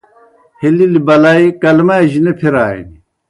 ہیلِلیْ بلائی کلمہ جیْ نہ پِھرانیْ